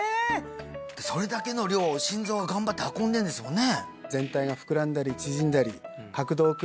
それだけの量を心臓が頑張って運んでるんですもんね